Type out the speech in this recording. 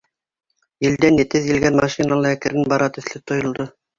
Елдән етеҙ елгән машина ла әкрен бара төҫлө тойолдо.